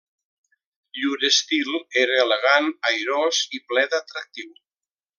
Llur estil era elegant, airós i ple d'atractiu.